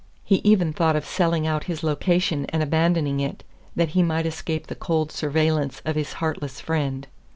He even thought of selling out his location and abandoning it, that he might escape the cold surveillance of his heartless friend.